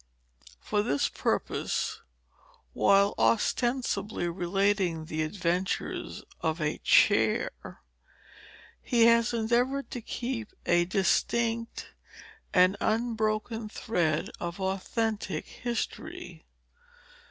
For this purpose, while ostensibly relating the adventures of a Chair, he has endeavored to keep a distinct and unbroken thread of authentic history.